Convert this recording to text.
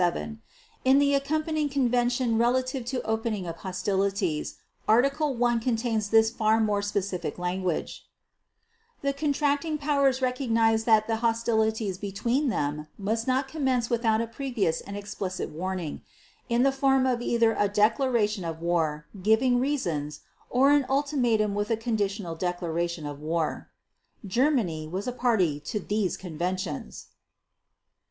In the accompanying Convention Relative to Opening of Hostilities, Article I contains this far more specific language: "The Contracting Powers recognize that hostilities between them must not commence without a previous and explicit warning, in the form of either a declaration of war, giving reasons, or an ultimatum with a conditional declaration of war." Germany was a party to these conventions.